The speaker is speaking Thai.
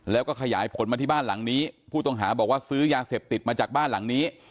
แล้วก็ขยายผลมาที่บ้านหลังนี้ผู้ต้องหาบอกว่าซื้อยาเสพติดมาจากบ้านหลังนี้